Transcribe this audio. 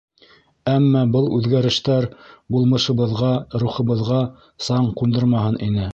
Әммә был үҙгәрештәр булмышыбыҙға, рухыбыҙға саң ҡундырмаһын ине.